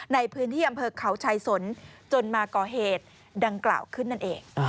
ในพื้นที่อำเภอเขาชายสนจนมาก่อเหตุดังกล่าวขึ้นนั่นเอง